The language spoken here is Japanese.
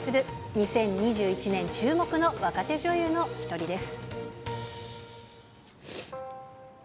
２０２１年注目の若手女優の一人です。